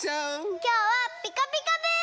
きょうは「ピカピカブ！」から！